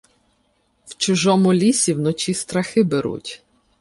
В чужому лісі вночі страхи беруть.